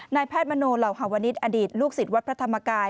แพทย์มโนเหล่าฮวนิษฐ์อดีตลูกศิษย์วัดพระธรรมกาย